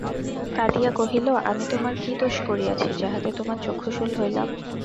কাঁদিয়া কহিল, আমি তোমার কী দোষ করিয়াছি, যাহাতে তোমার চক্ষুশূল হইলাম।